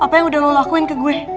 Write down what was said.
apa yang udah lo lakuin ke gue